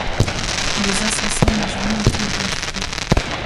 Les assassins n'ont jamais été identifiés.